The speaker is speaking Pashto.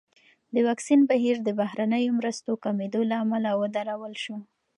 د واکسین بهیر د بهرنیو مرستو کمېدو له امله ودرول شو.